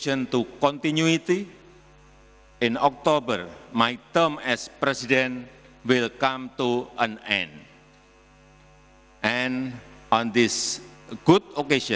dan pada kesempatan yang baik biarkan saya memperkenalkan presiden terpilih indonesia